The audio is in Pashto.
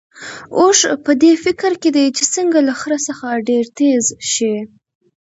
اوښ په دې فکر کې دی چې څنګه له خره څخه ډېر تېز شي.